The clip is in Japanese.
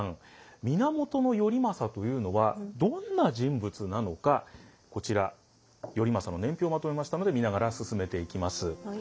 源頼政というのはどんな人物なのかこちら頼政の年表をまとめましたので見ながら進めていきます。